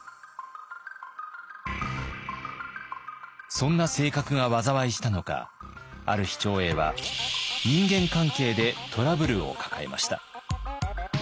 そんな性格が災いしたのかある日長英は人間関係でトラブルを抱えました。